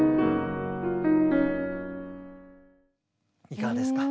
いかがですか？